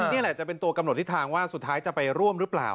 นี่แหละจะเป็นตัวกำหนดทิศทางว่าสุดท้ายจะไปร่วมหรือเปล่า